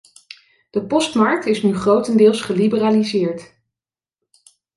De postmarkt is nu grotendeels geliberaliseerd.